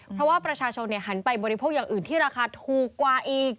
เพราะว่าประชาชนหันไปบริโภคอย่างอื่นที่ราคาถูกกว่าอีก